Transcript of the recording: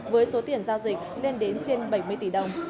với số tiền giao dịch lên đến trên bảy mươi tỷ đồng